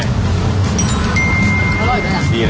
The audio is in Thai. อร่อยจริง